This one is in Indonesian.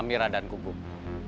mira dan gugup